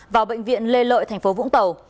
vào bệnh viện lê lợi thành phố vũng tàu